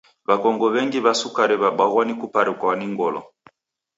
W'akongo w'engi wa sukari w'abwaghwa ni kuparukwa ni ngolo